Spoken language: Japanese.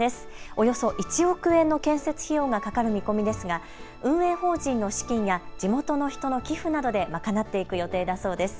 およそ１億円の建設費用がかかる見込みですが運営法人の資金や地元の人の寄付などで賄っていく予定だそうです。